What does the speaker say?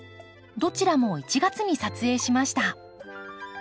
どちらも１月に撮影しました。